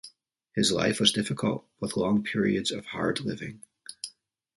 His life was difficult, with long periods of hard living.